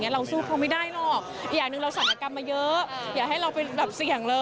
เราสู้เขาไม่ได้หรอกอย่างหนึ่งเราศัลยกรรมมาเยอะอย่าให้เราไปแบบเสี่ยงเลย